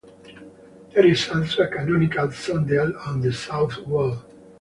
There is also a canonical sundial on the south wall.